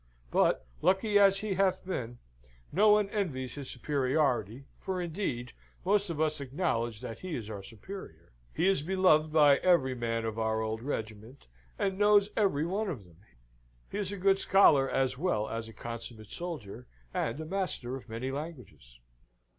But, lucky as he hath been, no one envies his superiority, for, indeed, most of us acknowledge that he is our superior. He is beloved by every man of our old regiment and knows every one of them. He is a good scholar as well as a consummate soldier, and a master of many languages."